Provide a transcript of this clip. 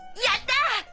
やったぁ！